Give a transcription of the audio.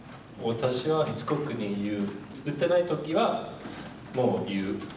私はしつこく言う、打たないときはもう言う。